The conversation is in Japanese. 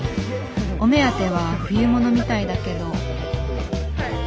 お目当ては冬物みたいだけど。